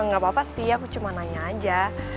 nggak apa apa sih aku cuma nanya aja